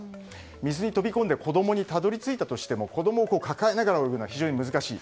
水に飛び込んで子供にたどり着いたとしても子供を抱えながら泳ぐのは非常に難しい。